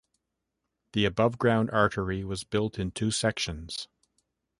The above-ground Artery was built in two sections.